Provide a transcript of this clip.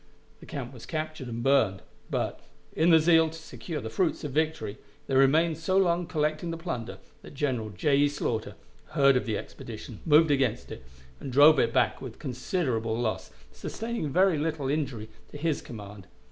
The camp was captured and burned, but, in the zeal to secure the fruits of victory, they remained so long collecting the plunder, that General J. E. Slaughter heard of the expedition, moved against it, and drove it back with considerable loss, sustaining very little injury to his command.